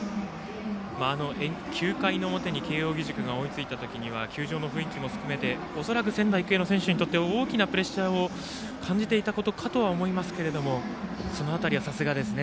９回の表に慶応義塾が追いついた時には球場の雰囲気も含めて恐らく仙台育英の選手は大きなプレッシャーを感じていたことかと思いますがその辺りはさすがですね。